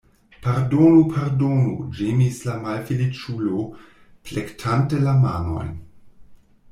Pardonu, pardonu, ĝemis la malfeliĉulo, plektante la manojn.